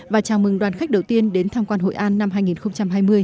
và chào mừng đoàn khách đầu tiên đến tham quan hội an năm hai nghìn hai mươi